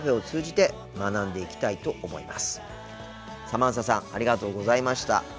サマンサさんありがとうございました。